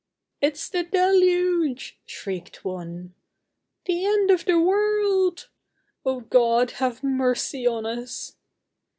"It's the deluge," shrieked one. "The end of the world!" "Oh, God, have mercy on us."